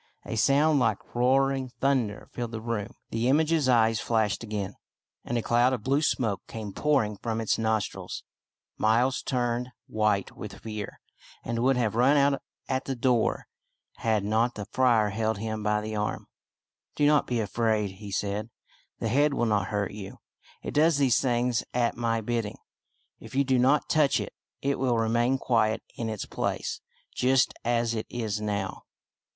A sound like rolling thunder filled the room, the image's eyes flashed again, and a cloud of blue smoke came pouring from its nostrils. Miles turned FRIAR BACON AND THE BRAZEN HEAD 75 white with fear, and would have run out at the door had not the friar held him by the arm. " Do not be afraid," he said. " The head will not hurt you. It does these things at my bidding. If you do not touch it, it will remain quiet in its place, just as it is now."